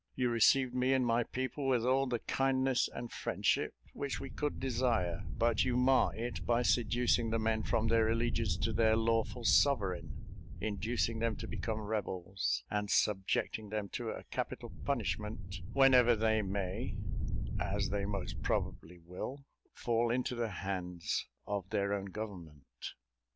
You received me and my people with all the kindness and friendship which we could desire; but you mar it, by seducing the men from their allegiance to their lawful sovereign, inducing them to become rebels, and subjecting them to a capital punishment whenever they may (as they most probably will) fall into the hands of their own government."